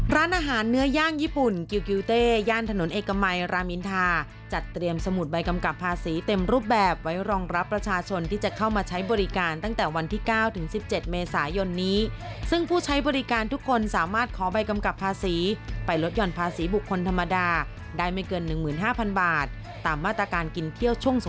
ร้านอาหารเนื้อย่างญี่ปุ่นกิวเต้ย่านถนนเอกมัยรามอินทาจัดเตรียมสมุดใบกำกับภาษีเต็มรูปแบบไว้รองรับประชาชนที่จะเข้ามาใช้บริการตั้งแต่วันที่๙ถึง๑๗เมษายนนี้ซึ่งผู้ใช้บริการทุกคนสามารถขอใบกำกับภาษีไปลดหย่อนภาษีบุคคลธรรมดาได้ไม่เกิน๑๕๐๐บาทตามมาตรการกินเที่ยวช่วงส